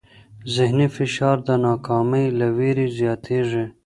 ذهني فشار د ناکامۍ له وېرې زیاتېږي.